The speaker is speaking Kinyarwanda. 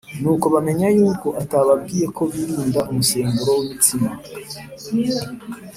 Nuko bamenya yuko atababwiye ko birinda umusemburo w’imitsima,